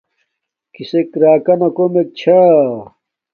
کسک راکانا کومک چھا